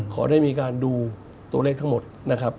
ขอได้มีการดูตัวเลขทั้งหมดนะครับ